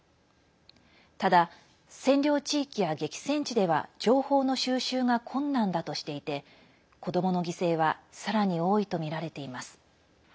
ただ、占領地域や激戦地では情報の収集が困難だとしていて子どもの犠牲はさらに多いとみられています。